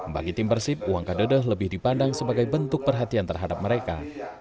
bagi tim persib uang kadodeh lebih dipandang sebagai bentuk perhatian terhadap mereka